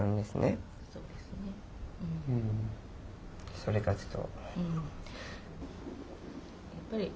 それがちょっと。